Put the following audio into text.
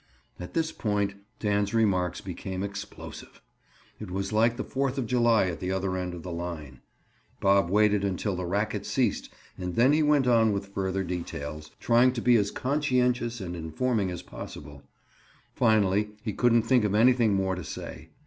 At this point Dan's remarks became explosive; it was like the Fourth of July at the other end of the line. Bob waited until the racket ceased and then he went on with further details, trying to be as conscientious and informing as possible. Finally he couldn't think of anything more to say.